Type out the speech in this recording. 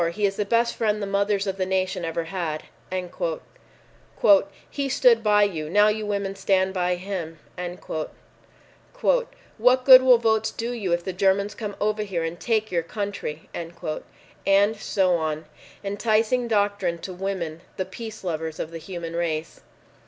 He is the best friend the mothers of the nation ever had" "He stood by you. Now you women stand by him." "What good will votes do you if the Germans come over here and take your country?" And so on. Enticing doctrine to women—the peace lovers of the human race.